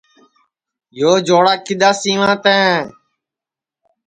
یو چوڑا کِدؔا سیواں تیں